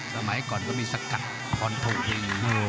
สมัยก่อนก็มีสกัดคอนโทยิง